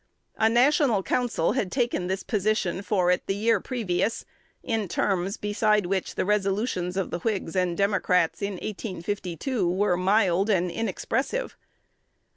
A "National Council" had taken this position for it the year previous, in terms beside which the resolutions of the Whigs and Democrats in 1852 were mild and inexpressive.